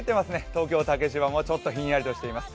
東京竹芝もちょっとひんやりしています。